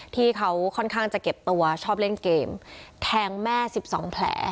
ที่เขาค่อนข้างจะเก็บตัวชอบเล่นเกมแทงแม่๑๒แผล